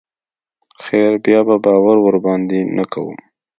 خير بيا به باور ورباندې نه کوم.